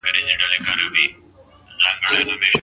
ثنا پر فیسبوک لیکنې کوي.